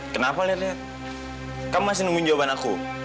kenapa liat liat kamu masih nungguin jawaban aku